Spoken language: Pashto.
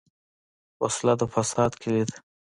وسله د فساد کلي ده